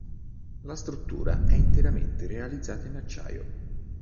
La struttura è interamente realizzata in acciaio.